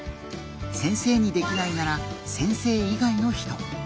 先生にできないなら先生以外の人。